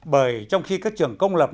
bởi trong khi các trường công lập